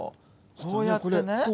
こうやってね。